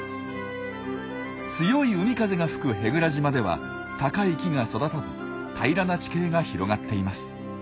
強い海風が吹く舳倉島では高い木が育たず平らな地形が広がっています。